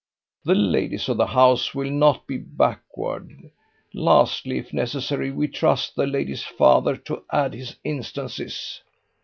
The ladies of the house will not be backward. Lastly, if necessary, we trust the lady's father to add his instances.